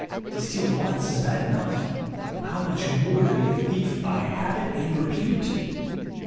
To steal once is bad enough, how much more to be a thief by habit and repute